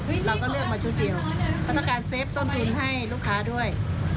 เราก็เลือกมา๑ชุดเขาประกาศเซฟต้นทุนให้รุคค้าด้วย